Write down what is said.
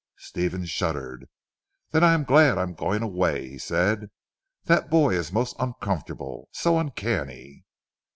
Stephen shuddered. "Then I am glad I am going away," he said, "that boy is most uncomfortable so uncanny."